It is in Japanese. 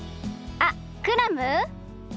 あっクラム？